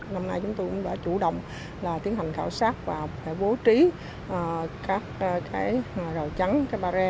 năm nay chúng tôi cũng đã chủ động tiến hành khảo sát và vô trí các rào trắng bà re